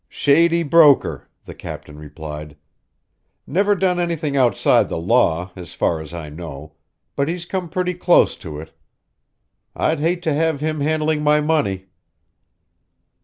"Shady broker," the captain replied. "Never done anything outside the law, as far as I know, but he's come pretty close to it. I'd hate to have him handling my money."